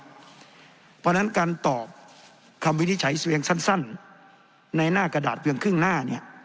เพราะฉะนั้นการตอบความวิทย์ใช้เสวียงสั้นในหน้ากระดาษเพียงครึ่งหน้า